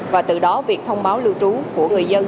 và từ đó việc thông báo lưu trú của người dân